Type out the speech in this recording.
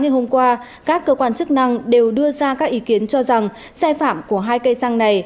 hôm qua các cơ quan chức năng đều đưa ra các ý kiến cho rằng xe phạm của hai cây xăng này